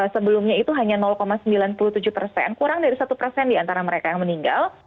sebelumnya itu hanya sembilan puluh tujuh persen kurang dari satu persen diantara mereka yang meninggal